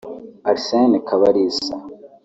Arsène Kabalisa